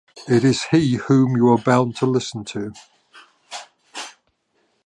It is he whom you are bound to listen to.